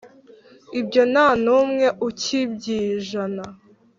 Ibyo nta n'umwe ukibyijana